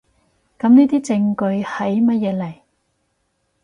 噉呢啲證據喺乜嘢嚟？